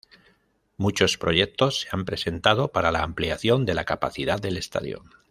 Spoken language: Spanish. Muchos proyectos se han presentado para la ampliación de la capacidad del estadio.